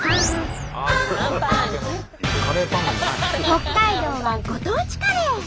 北海道はご当地カレー！